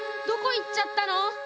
どこいっちゃったの？